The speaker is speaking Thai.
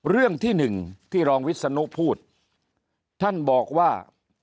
เรื่องที่หนึ่งที่รองวิศนุพูดท่านบอกว่า